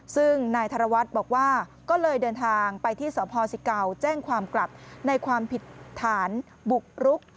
ซึ่งนายธนวัฒน์บอกว่าก็เลยเดินทางไปที่สพสิเก่าแจ้งความกลับในความผิดฐานบุกรุก